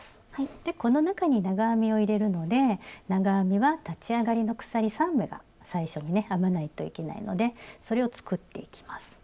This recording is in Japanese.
でこの中に長編みを入れるので長編みは立ち上がりの鎖３目が最初にね編まないといけないのでそれを作っていきます。